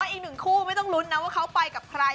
อีกหนึ่งคู่ไม่ต้องลุ้นนะว่าเขาไปกับใคร